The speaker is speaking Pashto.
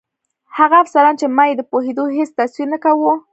هغه افسران چې ما یې د پوهېدو هېڅ تصور نه کاوه.